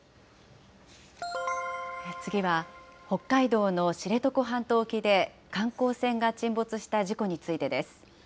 次は北海道の知床半島沖で観光船が沈没した事故についてです。